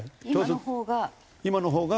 今の方が。